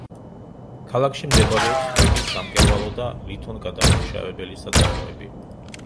ქალაქში მდებარეობს კვების, სამკერვალო და ლითონგადამამუშავებელი საწარმოები.